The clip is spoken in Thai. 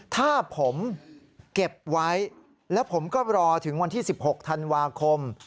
ถ้าผมเก็บไว้แล้วผมก็รอถึงวันที่๑๖ธันวาคม